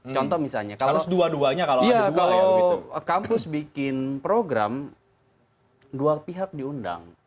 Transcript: contoh misalnya kalau kampus bikin program dua pihak diundang